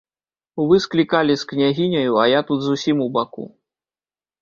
Вы склікалі з княгіняю, а я тут зусім убаку.